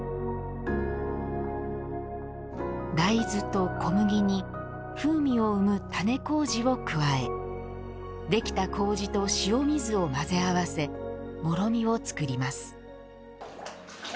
大豆と小麦に風味を生む種麹を加えできた麹と塩水を混ぜ合わせもろみを造ります。